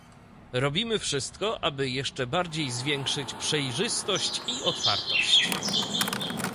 Robimy wszystko, aby jeszcze bardziej zwiększyć przejrzystość i otwartość